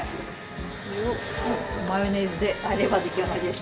これをマヨネーズで和えれば出来上がりです。